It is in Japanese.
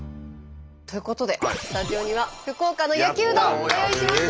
ということでスタジオには福岡の焼うどんご用意しました。